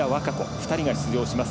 ２人が出場します